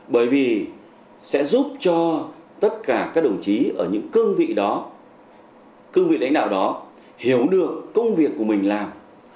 bởi vì sẽ giúp cho tất cả các đồng chí ở những cương vị đó cương vị lãnh đạo đó hiểu được công việc của mình làm